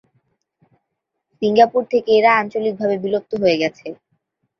Singapore থেকে এরা আঞ্চলিকভাবে বিলুপ্ত হয়ে গেছে।